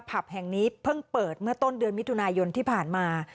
ผับแห่งนี้เพิ่งเปิดเมื่อต้นเดือนมิถุนายนที่ผ่านมา